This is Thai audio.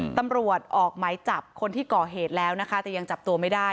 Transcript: ตำรวจออกหมายจับคนที่ก่อเหตุแล้วนะคะแต่ยังจับตัวไม่ได้